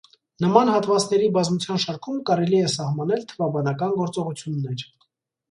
Նման հատվածների բազմության շարքում կարելի է սահմանել թվաբանական գործողություններ։